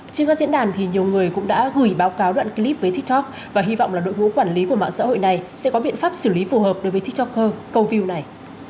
trên các diễn đàn thì nhiều người cũng đã gửi báo cáo đoạn clip với tiktok và hy vọng là đội ngũ quản lý của mạng xã hội này sẽ có biện pháp xử lý phù hợp đối với tiktoker câu view này